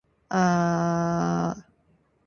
Sabtu, saya dan keluarga akan membuat kue bersama.